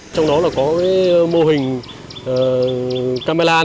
trong đó là có mô hình camera an ninh